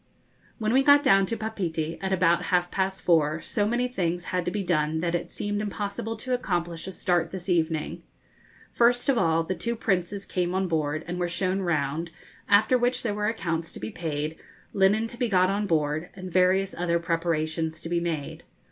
When we got down to Papeete, at about half past four, so many things had to be done that it seemed impossible to accomplish a start this evening. First of all the two Princes came on board, and were shown round, after which there were accounts to be paid, linen to be got on board; and various other preparations to be made.